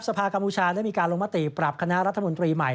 สภากัมพูชาได้มีการลงมติปรับคณะรัฐมนตรีใหม่